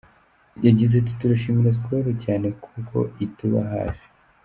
Yagize ati “Turashimira Skol cyane kuko ituba hafi.